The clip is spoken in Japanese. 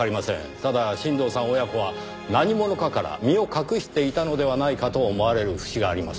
ただ新堂さん親子は何者かから身を隠していたのではないかと思われる節があります。